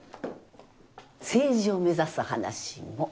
政治を目指す話も。